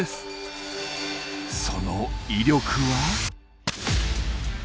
その威力は。